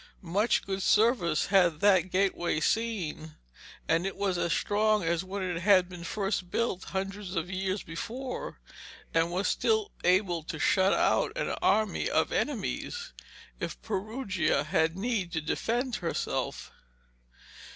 Much good service had that gateway seen, and it was as strong as when it had been first built hundreds of years before, and was still able to shut out an army of enemies, if Perugia had need to defend herself.